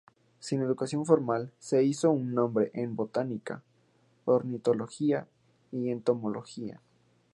Sin educación formal, se hizo un nombre en botánica, ornitología y entomología.